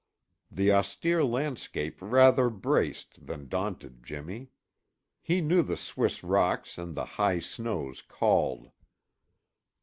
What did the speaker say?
The austere landscape rather braced than daunted Jimmy. He knew the Swiss rocks and the high snows called.